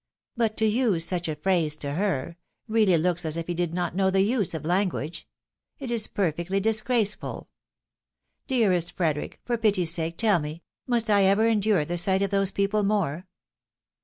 But to use such a phrase to her, really looks as if he did not know the use of language. It is perfectly disgraceful. Dearest Frederic ! for pity's sake, tell me, must I ever endure the sight of those people more